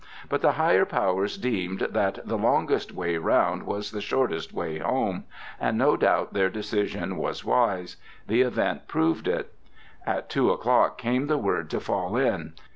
But the higher powers deemed that "the longest way round was the shortest way home," and no doubt their decision was wise. The event proved it. At two o'clock came the word to "fall in."